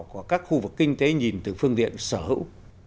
của các khu vực kinh tế nhìn từ phương tiện sở hữu